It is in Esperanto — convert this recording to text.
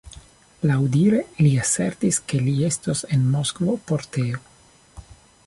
Laŭdire, li asertis, ke li estos en Moskvo por teo.